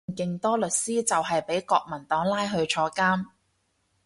當年勁多律師就係畀國民黨拉去坐監